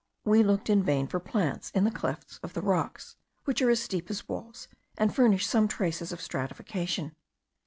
We looked in vain for plants in the clefts of the rocks, which are as steep as walls, and furnish some traces of stratification.